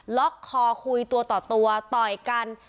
ล็อกคอคุยตัวต่อตัวต่อยกัน